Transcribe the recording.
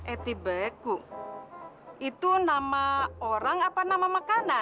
eti beku itu nama orang apa nama makanan